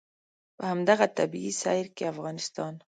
په همدغه طبعي سیر کې افغانستان.